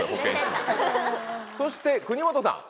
そして国本さん